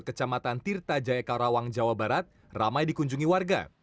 kecamatan tirta jaya karawang jawa barat ramai dikunjungi warga